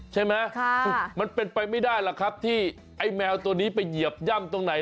ใช่ไหมมันเป็นไปไม่ได้หรอกครับที่ไอ้แมวตัวนี้ไปเหยียบย่ำตรงไหน